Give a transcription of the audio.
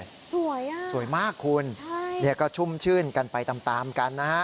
สวยอ่ะสวยมากคุณใช่เนี่ยก็ชุ่มชื่นกันไปตามตามกันนะฮะ